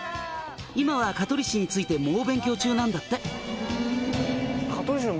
「今は香取市について猛勉強中なんだって」